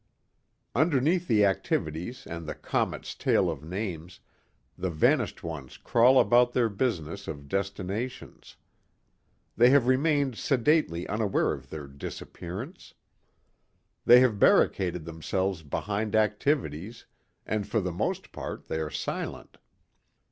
Underneath the activities and the comet's tail of names, the vanished ones crawl about their business of destinations. They have remained sedately unaware of their disappearance. They have barricaded themselves behind activities and for the most part they are silent.